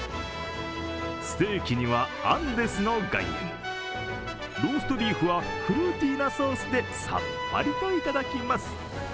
ステーキにはアンデスの岩塩ローストビーフはフルーティーなソースでさっぱりといただきます。